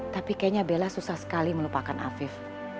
tapi kayaknya bella susah sekali melupakan afif